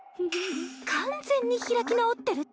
完全に開き直ってるっちゃん？